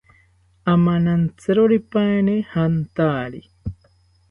Amanantziroripaeni jantari